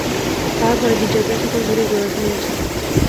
তাহার পরে গির্জার প্রায় সকল ঘড়িই গোরা শুনিয়াছে।